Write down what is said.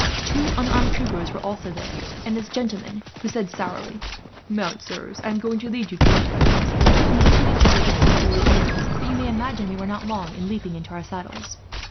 Two unarmed troopers were also there, and this gentleman, who said sourly: "'Mount, sirs, I am going to lead you to your friends.' "We looked at each other, to see if we were dreaming, but you may imagine we were not long in leaping into our saddles.